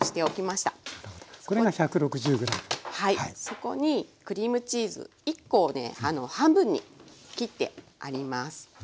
そこにクリームチーズ１コをね半分に切ってあります。